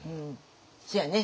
そうやね。